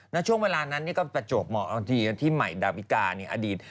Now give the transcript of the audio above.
แล้วช่วงเวลานั้นก็ประจวบเหมาะที่ใหม่ดาววิกาอดีต